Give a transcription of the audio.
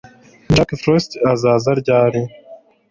jack frost azaza ryari